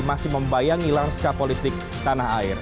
masih membayangi lanska politik tanah air